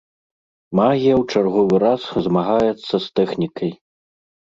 Магія ў чарговы раз змагаецца з тэхнікай.